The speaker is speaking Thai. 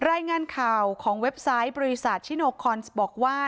รายงานข่าวของเว็บไซต์บริษัทชิโนคอนส์บอกว่า